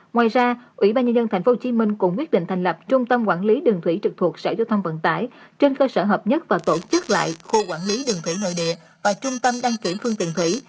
ngoài ra ủy ban nhân dân tp hcm cũng quyết định thành lập trung tâm quản lý đường thủy trực thuộc sở giao thông vận tải trên cơ sở hợp nhất và tổ chức lại khu quản lý đường thủy nội địa và trung tâm đăng kiểm phương tiện thủy